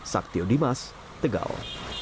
saktio dimas tegal